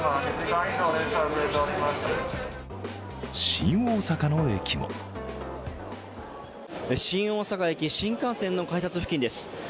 新大阪の駅も新大阪駅、新幹線の改札付近です。